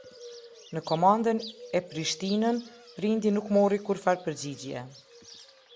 Në Komandën e Prishtinën prindi nuk mori kurrfarë përgjigjie.